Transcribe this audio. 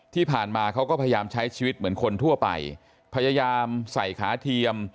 ที่ผ่านมาเขาก็พยายามใช้ชีวิตเหมือนคนทั่วไปพยายามใส่ขาเทียม